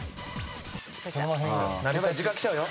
時間きちゃうよ。